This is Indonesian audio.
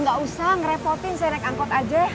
gak usah ngerepotin saya naik angkot aja